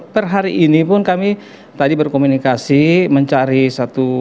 dan hari ini pun kami tadi berkomunikasi mencari satu